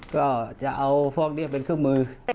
ก็จะเอาพวกนี้เป็นเครื่องมือ